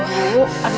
ayo ibu terus ibu